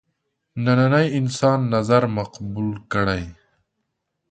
ننني انسان نظر مقبول کړي.